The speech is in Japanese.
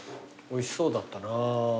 おいしそうだったな。